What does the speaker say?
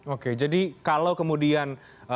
oke jadi kalau kemudian